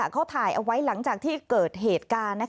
เขาถ่ายเอาไว้หลังจากที่เกิดเหตุการณ์